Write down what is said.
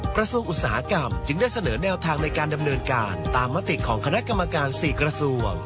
กระทรวงอุตสาหกรรมจึงได้เสนอแนวทางในการดำเนินการตามมติของคณะกรรมการ๔กระทรวง